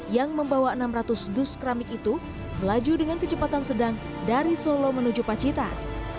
yang membawa enam ratus dus keramik itu melaju dengan kecepatan sedang dari solo menuju pacitan